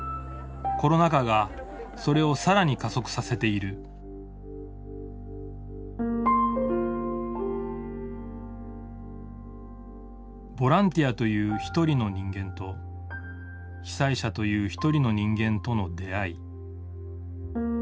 コロナ禍がそれを更に加速させているボランティアという一人の人間と被災者という一人の人間との出会い。